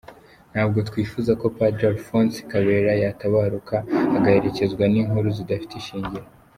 Ntabwo twifuza ko Padiri Alphonse Kabera yatabaruka agaherekezwa n’inkuru zidafite ishingiro.